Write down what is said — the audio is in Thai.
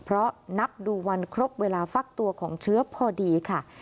เพราะนับดูวันครบเวลาฟักตัวของเชื้อพอดีค่ะ